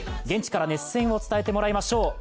現地から熱戦を伝えてもらいましょう。